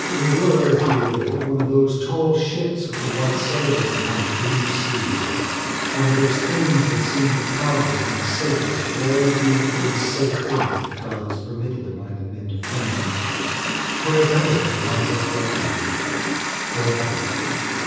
We were, if you will, one of those tall ships with the white sails upon a blue sea, one of those things that seem the proudest and the safest of all the beautiful and safe things that God has permitted the mind of men to frame. Where better could one take refuge? Where better?